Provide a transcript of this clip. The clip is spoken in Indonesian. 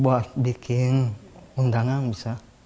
buat bikin undangan bisa